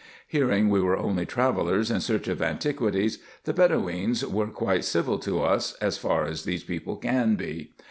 Hearing we were only travellers in search of antiquities, the Bedoweens were quite civil to us, as far as these people can be.